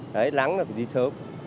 đấy lắng là phải đi sớm